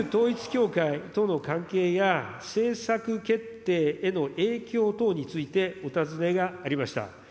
旧統一教会との関係や、政策決定への影響等について、お尋ねがありました。